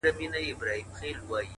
دا روڼه ډېــوه مي پـه وجـود كي ده ـ